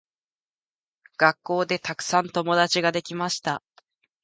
学校でたくさん友達ができました。